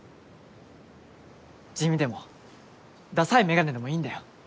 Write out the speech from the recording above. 地味でもダサいメガネでもいいんだよ。